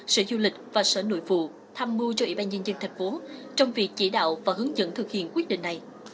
sở du lịch và sở nội vụ tham mưu cho ủy ban nhân dân thành phố trong việc chỉ đạo và hướng dẫn thực hiện quyết định này